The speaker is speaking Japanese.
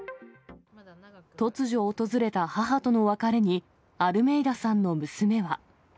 突如訪れた母との別れに、アルメイダさんの娘は。